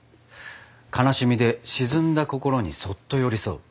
悲しみで沈んだ心にそっと寄り添う。